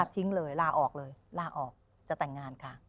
ทิ้งเลยลาออกเลยลาออกจะแต่งงานค่ะ